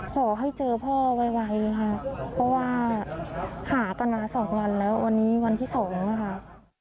ขอให้เจอพ่อไวค่ะเพราะว่าหากันมาสองวันแล้ววันนี้วันที่๒ค่ะ